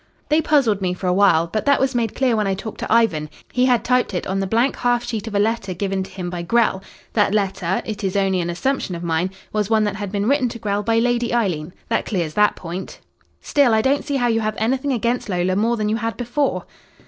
"They puzzled me for a while. But that was made clear when I talked to Ivan. He had typed it on the blank half sheet of a letter given to him by Grell. That letter it is only an assumption of mine was one that had been written to Grell by Lady Eileen. That clears that point." "Still, I don't see how you have anything against Lola more than you had before."